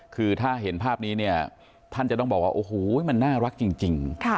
คือถ้าเห็นภาพนี้เนี่ยท่านจะต้องบอกว่าโอ้โหมันน่ารักจริง